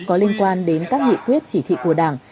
có liên quan đến các nghị quyết chỉ thị của đảng